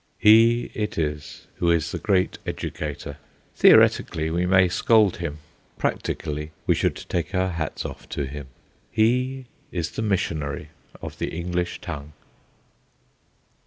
He it is who is the great educator. Theoretically we may scold him; practically we should take our hats off to him. He is the missionary of the English tongue.